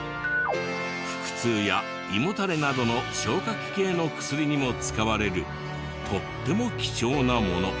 腹痛や胃もたれなどの消化器系の薬にも使われるとっても貴重なもの。